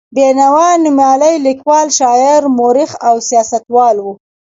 بېنوا نومیالی لیکوال، شاعر، مورخ او سیاستوال و.